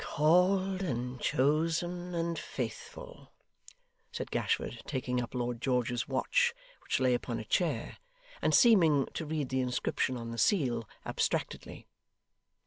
'"Called, and chosen, and faithful,"' said Gashford, taking up Lord George's watch which lay upon a chair, and seeming to read the inscription on the seal, abstractedly.